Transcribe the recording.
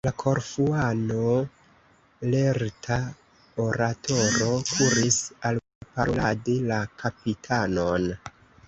La Korfuano, lerta oratoro, kuris alparoladi la kapitanon.